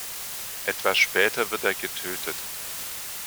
Etwas später wird er getötet.